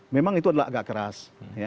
memang itu adalah agak keras